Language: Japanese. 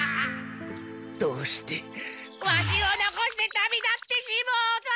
どうしてワシをのこして旅立ってしもうた！